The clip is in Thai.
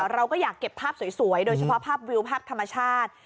เราก็อยากเก็บภาพสวยโดยเฉพาะภาพวิวภาพธรรมชาติ